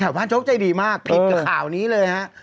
บ้านโจ๊กใจดีมากผิดกับข่าวนี้เลยฮะ